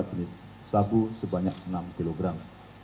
empat jenis sabu sebanyak enam kilogram